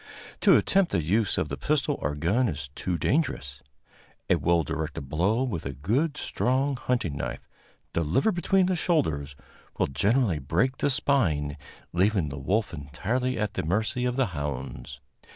To attempt the use of the pistol or gun is too dangerous. A well directed blow with a good strong hunting knife, delivered between the shoulders, will generally break the spine, leaving the wolf entirely at the mercy of the hounds.